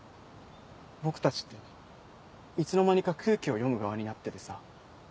僕たちっていつの間にか空気を読む側になっててさ。